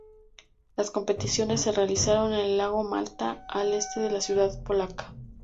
Las competiciones se realizaron en el lago Malta, al este de la ciudad polaca.